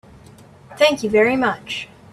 Thank you very much.